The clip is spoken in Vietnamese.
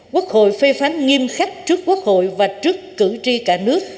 quốc hội phê phán nghiêm khắc trước quốc hội và trước cử tri cả nước